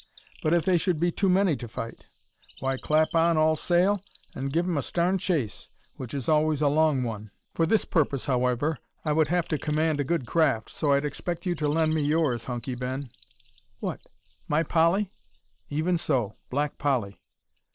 "But if they should be too many to fight?" "Why, clap on all sail an' give 'em a starn chase, which is always a long one. For this purpose, however, I would have to command a good craft so I'd expect you to lend me yours, Hunky Ben." "What! my Polly?" "Even so. Black Polly."